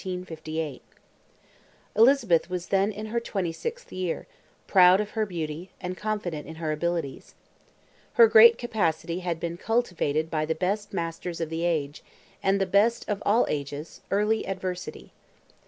Elizabeth was then in her 26th year, proud of her beauty, and confident in her abilities. Her great capacity had been cultivated by the best masters of the age, and the best of all ages, early adversity.